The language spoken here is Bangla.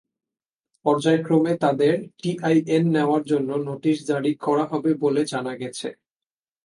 পর্যায়ক্রমে তাঁদের টিআইএন নেওয়ার জন্য নোটিশ জারি করা হবে বলে জানা গেছে।